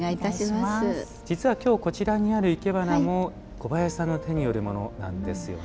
実は今日こちらにあるいけばなも小林さんの手によるものなんですよね。